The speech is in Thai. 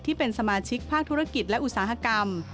ที่เป็นสมาชิกภาคธุรกิจและอุตสาหกรรม